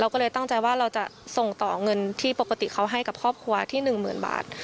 ก็เลยตั้งใจว่าเราจะส่งต่อเงินที่ปกติเขาให้กับครอบครัวที่๑๐๐๐บาท